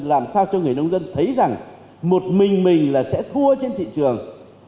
làm sao cho người nông dân thấy rằng một mình mình là sẽ thua trên thị trường